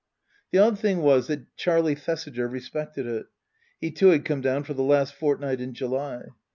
The odd thing was that Charlie Thesiger respected it. (He too had come down for the last fortnight in July.)